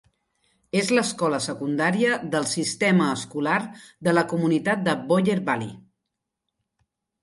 És l'escola secundària del sistema escolar de la comunitat de Boyer Valley.